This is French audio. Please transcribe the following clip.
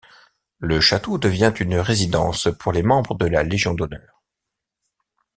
Le château devient une résidence pour les membres de la Légion d'honneur.